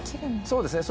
そうですね。